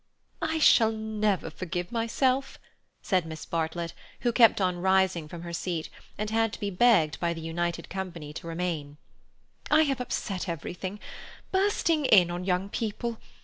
"I shall never forgive myself," said Miss Bartlett, who kept on rising from her seat, and had to be begged by the united company to remain. "I have upset everything. Bursting in on young people!